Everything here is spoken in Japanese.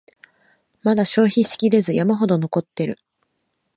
まだ消費しきれず山ほど残ってる